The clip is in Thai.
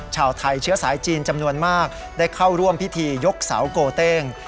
ชาวไทยเชื้อสายจีนจำนวนมากได้เข้าร่วมพิธียกเสาโกเต้ง